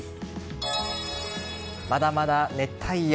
まだまだ熱帯夜。